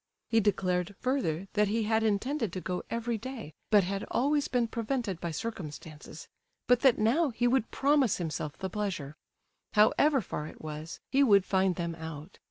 He declared, further, that he had intended to go every day, but had always been prevented by circumstances; but that now he would promise himself the pleasure—however far it was, he would find them out.